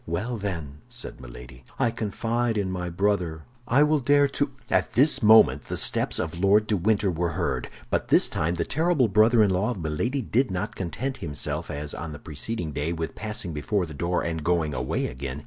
"Well, then," said Milady, "I confide in my brother; I will dare to—" At this moment the steps of Lord de Winter were heard; but this time the terrible brother in law of Milady did not content himself, as on the preceding day, with passing before the door and going away again.